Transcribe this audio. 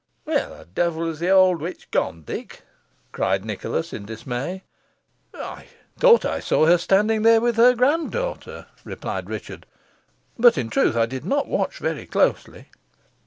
"Where the devil is the old witch gone, Dick?" cried Nicholas, in dismay. "I thought I saw her standing there with her grand daughter," replied Richard; "but in truth I did not watch very closely."